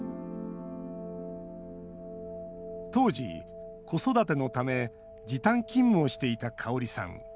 当時、子育てのため時短勤務をしていたカオリさん。